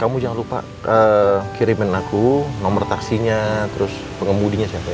kamu jangan lupa kirimin aku nomor taksinya terus pengemudinya siapa